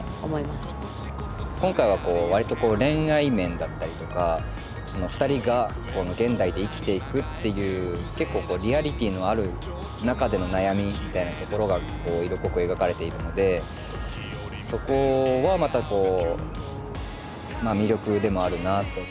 今回はこう割と恋愛面だったりとか２人が現代で生きていくっていう結構リアリティーのある中での悩みみたいなところが色濃く描かれているのでそこはまた魅力でもあるなあと。